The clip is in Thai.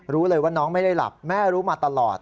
รู้เลยว่าน้องไม่ได้หลับแม่รู้มาตลอด